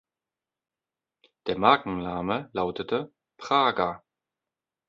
Der Markenname lautete "Praga".